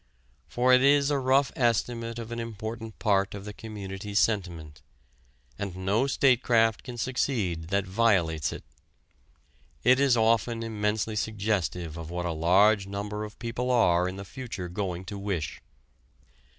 For it is a rough estimate of an important part of the community's sentiment, and no statecraft can succeed that violates it. It is often immensely suggestive of what a large number of people are in the future going to wish.